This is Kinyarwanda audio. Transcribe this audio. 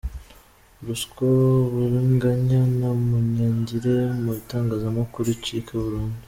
Ruswa, uburiganya na munyangire mu itangazamakuru icike burundu.